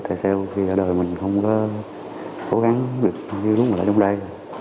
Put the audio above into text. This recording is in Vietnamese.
tại sao khi ở đời mình không có cố gắng được như lúc mà ở trong đây